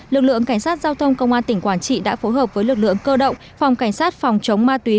lực lượng cảnh sát giao thông công an tỉnh quảng trị đã phối hợp với lực lượng cơ động phòng cảnh sát phòng chống ma túy